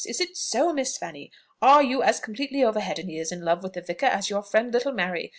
Is it so, Miss Fanny? Are you as completely over head and ears in love with the vicar, as your friend little Mary?